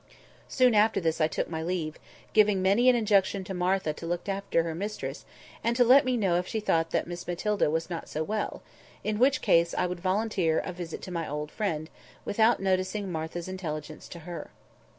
Soon after this I took my leave, giving many an injunction to Martha to look after her mistress, and to let me know if she thought that Miss Matilda was not so well; in which case I would volunteer a visit to my old friend, without noticing Martha's intelligence to her.